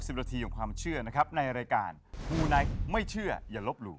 ๖๐นาทีของความเชื่อในรายการมูไนค์ไม่เชื่ออย่ารับรู้